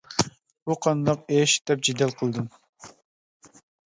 بۇ قانداق ئىش دەپ جېدەل قىلدىم.